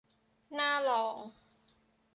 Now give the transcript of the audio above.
น่าลอง